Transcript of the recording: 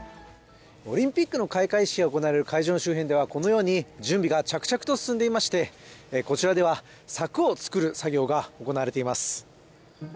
オリンピックの開会式が行われる会場の周辺ではこのように準備が着々と進んでいまして、こちらでは柵を作る作業が行われています。